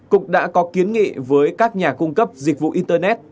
cục đã có kiến nghị với các nhà cung cấp dịch vụ internet